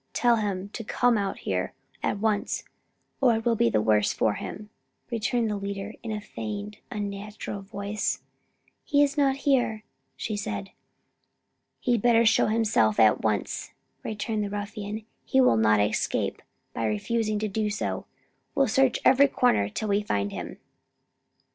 Tell him to come out here at once or it will be the worse for him," returned the leader, in a feigned, unnatural voice. "He is not here," she said. "He'd better show himself at once," returned the ruffian, "he'll not escape by refusing to do so; we'll search every corner till we find him."